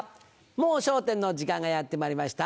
『もう笑点』の時間がやってまいりました。